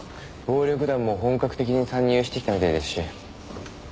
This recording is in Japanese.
暴力団も本格的に参入してきたみたいですし。